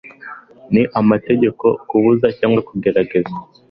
n amategeko kubuza cyangwa kugerageza